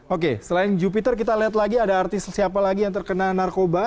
oke selain jupiter kita lihat lagi ada artis siapa lagi yang terkena narkoba